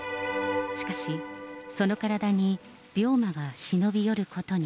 しかし、その体に病魔が忍び寄ることに。